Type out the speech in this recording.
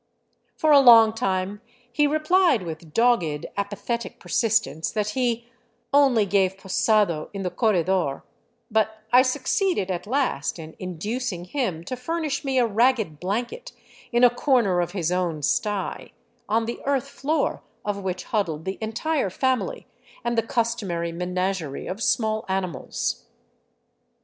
For a long time he replied with dogged, apathetic persistence that he " only gave posado in the corredor," but I succeeded at last in inducing him to furnish me a ragged blanket in a corner of his own sty, on the earth floor of which huddled the entire family and the customary menagerie of small animals.